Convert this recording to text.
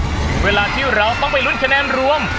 อยู่เวลาที่เราต้องไปรุ่นคะแนนร่วม